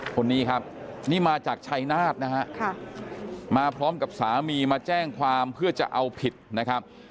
คนนี้ครับนี่มาจากชัยนาฏนะฮะมาพร้อมกับสามีมาแจ้งความเพื่อจะเอาผิดนะครับ